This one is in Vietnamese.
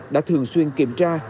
đã thường xuyên kiểm tra